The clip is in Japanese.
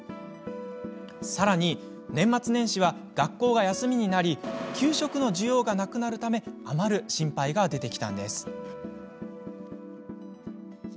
さらに年末年始は学校が休みになり給食の需要がなくなるため余る心配が出てきたんです。